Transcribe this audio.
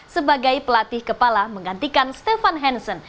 sebagai pelatih kepala menggantikan stefan hansen